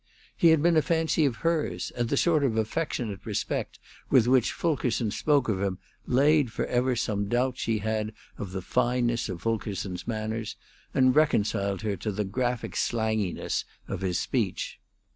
He had been a fancy of hers; and the sort of affectionate respect with which Fulkerson spoke of him laid forever some doubt she had of the fineness of Fulkerson's manners and reconciled her to the graphic slanginess of his speech.